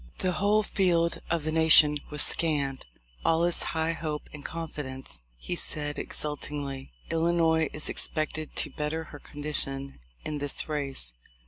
"The whole field of the nation was scanned ; all is high hope and confidence," he said exultingly. "Illinois is expected to better her condition in this race.